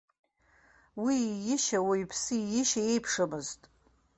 Уи иишьа уаҩԥсы иишьа еиԥшымызт.